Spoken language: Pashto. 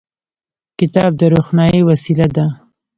کتاب د روښنايي وسیله ده.